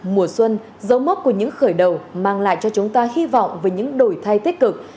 mùa xuân dấu mốc của những khởi đầu mang lại cho chúng ta hy vọng về những đổi thay tích cực